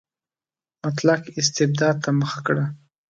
مطلق استبداد ته مخه کړه.